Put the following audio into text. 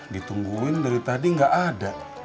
ditungguin dari tadi nggak ada